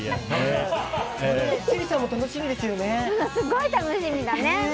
すごい楽しみだね！